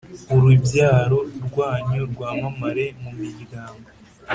urubyaro rwanyu rwamamare mu miryango;